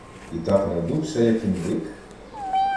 І так надувся, як індик?